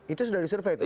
itu sudah disurvey itu